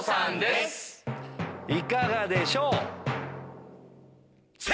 いかがでしょう？